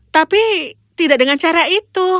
tapi tidak dengan cara itu